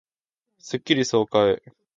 スッキリ爽快